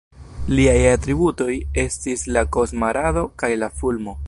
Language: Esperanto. Liaj atributoj estis la "Kosma Rado" kaj la fulmo.